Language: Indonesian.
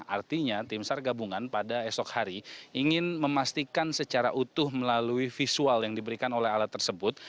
artinya tim sar gabungan pada esok hari ingin memastikan secara utuh melalui visual yang diberikan oleh alat tersebut